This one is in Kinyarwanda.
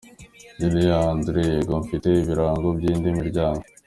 Julien André: Yego, mfite ibirango by’indi miryango.